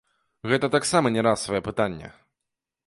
Гэта таксама не расавае пытанне.